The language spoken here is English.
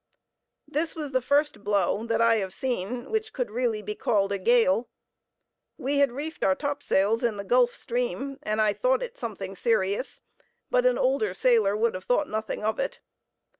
This was the first blow, that I have seen, which could really be called a gale. We had reefed our topsails in the Gulf Stream, and I thought it something serious, but an older sailor would have thought nothing of it.